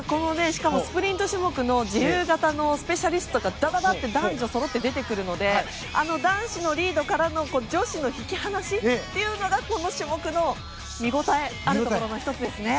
しかもスプリント種目の自由形のスペシャリストが男女そろって出てくるので男子のリードからの女子の引き離しというのがこの種目の見応えあるところの１つですね。